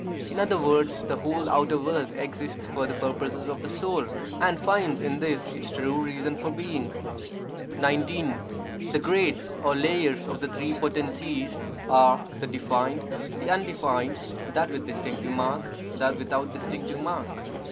In other words, the whole outer world exists for the purposes of the soul, and finds in this its true reason for being. 19. The grades or layers of the Three Potencies are the defined, the undefined, that with distinctive mark, that without distinctive mark.